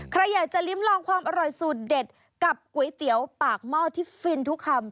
ใครอยากจะลิ้มลองความอร่อยสูตรเด็ดกับก๋วยเตี๋ยวปากหม้อที่ฟินทุกคำ